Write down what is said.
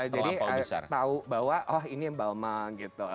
jadi tahu bahwa oh ini yang baumang gitu